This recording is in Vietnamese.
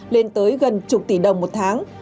lên tới gần chục tỷ đồng một tháng